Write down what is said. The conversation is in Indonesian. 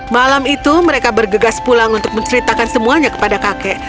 malam itu mereka bergegas pulang untuk menceritakan semuanya kepada kakek